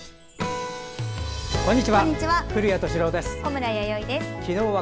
こんにちは。